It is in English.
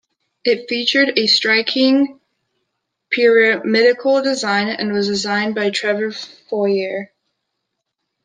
It featured a striking, pyramidal design and was designed by Trevor Fiore.